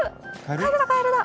カエルだカエルだ！